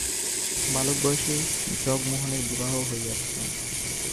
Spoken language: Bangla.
বালক-বয়সে জগমোহনের বিবাহ হইয়াছিল।